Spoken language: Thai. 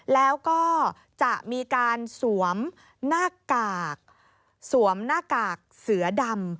แล้วก็จะมีการสวมหน้ากากเสือดำ